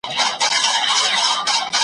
له ملوک سره وتلي د بدریو جنازې دي .